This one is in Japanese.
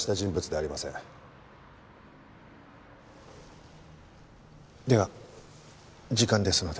では時間ですので。